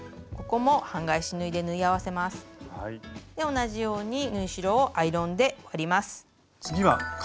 同じように縫い代をアイロンで割ります。